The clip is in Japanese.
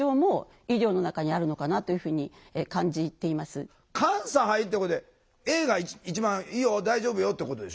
確かに監査入ってこれａが一番いいよ大丈夫よってことでしょ？